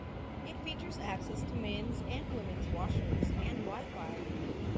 It features access to men's and women's washrooms and Wi-Fi.